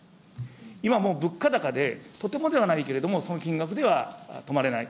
今も物価高で、とてもではないけれども、その金額では泊まれない。